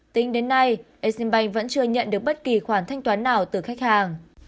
tính đến nay exim bank vẫn chưa nhận được bất kỳ khoản thanh toán nào từ khách hàng